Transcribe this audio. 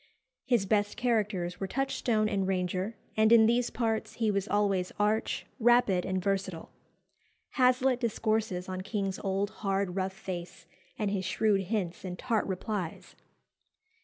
His best characters were Touchstone and Ranger, and in these parts he was always arch, rapid, and versatile. Hazlitt discourses on King's old, hard, rough face, and his shrewd hints and tart replies.